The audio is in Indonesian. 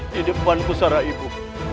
di depanku sara ibu